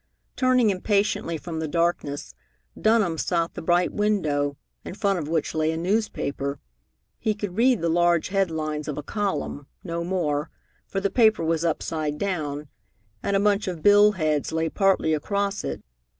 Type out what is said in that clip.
Turning impatiently from the darkness, Dunham sought the bright window, in front of which lay a newspaper. He could read the large headlines of a column no more, for the paper was upside down, and a bunch of bill heads lay partly across it.